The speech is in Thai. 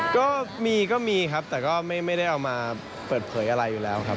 ก็มีก็มีครับแต่ก็ไม่ได้เอามาเปิดเผยอะไรอยู่แล้วครับ